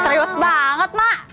serius banget mak